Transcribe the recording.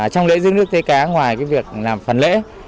trong lễ rước nước tế cá ngoài việc làm phần lễ